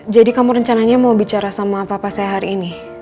jadi kamu rencananya mau bicara sama papa saya hari ini